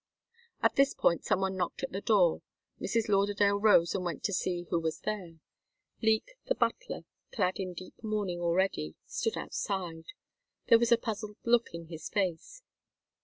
At this point some one knocked at the door. Mrs. Lauderdale rose and went to see who was there. Leek, the butler, clad in deep mourning already, stood outside. There was a puzzled look in his face.